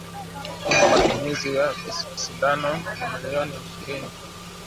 kwamba matumizi ya sindano milioni ishirini